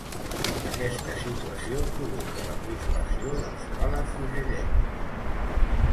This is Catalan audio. Aquesta situació provoca la crispació dels palafrugellencs.